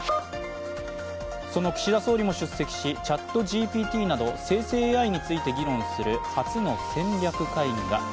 その岸田総理も出席し、ＣｈａｔＧＰＴなど生成ＡＩについて議論する初の戦略会議が。